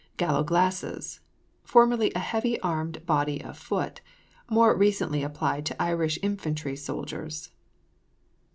GALLOW GLASSES. Formerly a heavy armed body of foot; more recently applied to Irish infantry soldiers.